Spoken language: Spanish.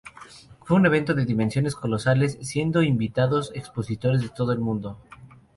Fue un evento de dimensiones colosales, siendo invitados expositores de todo el mundo.